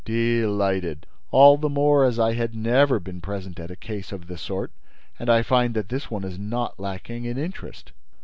"Delighted! All the more as I had never been present at a case of the sort and I find that this one is not lacking in interest."